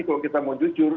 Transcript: kalau kita mau jujur